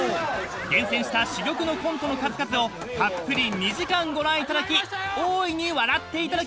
［厳選した珠玉のコントの数々をたっぷり２時間ご覧いただき大いに笑っていただきましょう］